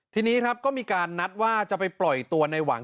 ทีนี้ครับก็มีการนัดว่าจะไปปล่อยตัวในหวัง